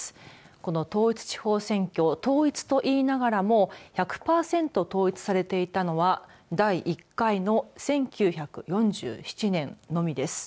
この統一地方選挙統一といいながらも１００パーセント統一されていたのは第１回の１９４７年のみです。